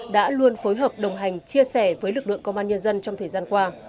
đã luôn phối hợp đồng hành chia sẻ với lực lượng công an nhân dân trong thời gian qua